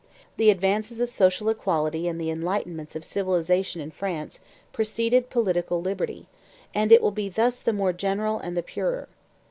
The advances of social equality and the enlightenments of civilization in France preceded political liberty; and it will thus be the more general and the purer.